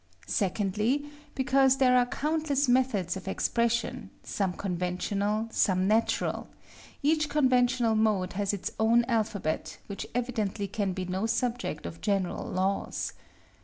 Secondly, because there are countless methods of expression, some conventional, some natural: each conventional mode has its own alphabet, which evidently can be no subject of general laws.